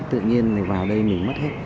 tự nhiên vào đây mình mất hết